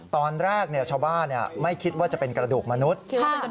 ตอนแรกชาวบ้านไม่คิดว่าจะเป็นกระดูกมนุษย์